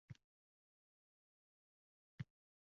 Chunki ijod jarayonida uning atrofida hech kim na onasi